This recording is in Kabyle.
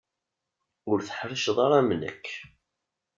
Ur teḥṛiceḍ ara am nekk.